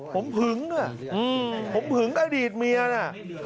ผมหึงน่ะผมหึงอดีตเมียน่ะ